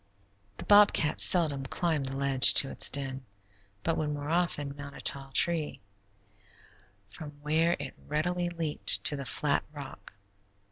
The bobcat seldom climbed the ledge to its den, but would more often mount a tall tree, from where it readily leaped to the flat rock.